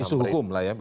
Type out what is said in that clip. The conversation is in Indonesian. isu hukum lah ya